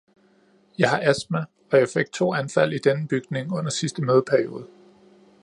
Jeg har astma, og jeg fik to anfald i denne bygning under sidste mødeperiode.